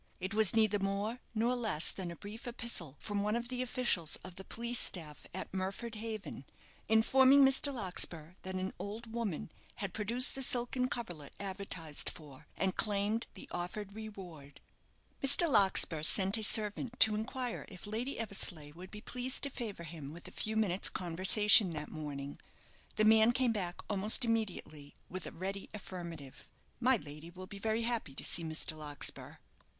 It was neither more nor less than a brief epistle from one of the officials of the police staff at Murford Haven, informing Mr. Larkspur that an old woman had produced the silken coverlet advertised for, and claimed the offered reward. Mr. Larkspur sent a servant to inquire if Lady Eversleigh would be pleased to favour him with a few minutes' conversation that morning. The man came back almost immediately with a ready affirmative. "My lady will be very happy to see Mr. Larkspur."